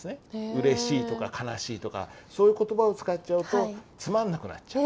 うれしいとか悲しいとかそういう言葉を使っちゃうとつまんなくなっちゃう。